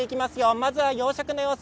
まずは、養殖の様子